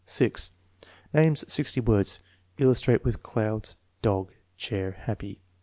6. Names 60 words. (Illustrate with clouds, dog, chair, happy.)